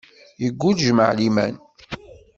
Yeggul, jmaɛ liman.